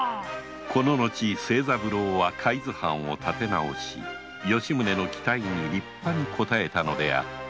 こののち清三郎は海津藩をたて直し吉宗の期待に立派に応えたのであった